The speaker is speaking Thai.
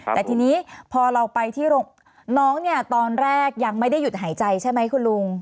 แต่ทีนี้พอเราไปที่น้องเนี่ยตอนแรกยังไม่ได้หยุดหายใจใช่ไหมคุณลุง